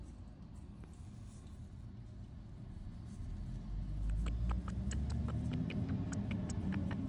The league offices were located in Las Vegas, Nevada.